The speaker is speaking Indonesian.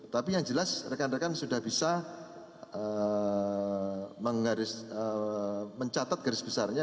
tapi yang jelas rekan rekan sudah bisa mencatat garis besarnya